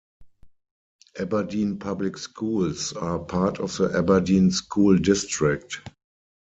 Aberdeen Public Schools are part of the Aberdeen School District.